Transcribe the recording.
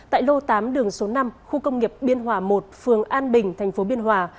tại lô tám đường số năm khu công nghiệp biên hòa một phường an bình tp biên hòa